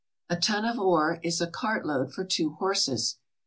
A ton of ore is a cartload for two horses.